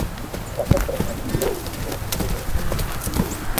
Dvacet procent Litevců žije v chudobě.